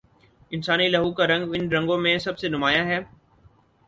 انسانی لہو کا رنگ ان رنگوں میں سب سے نمایاں ہے۔